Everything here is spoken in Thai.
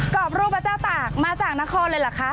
รอบรูปพระเจ้าตากมาจากนครเลยเหรอคะ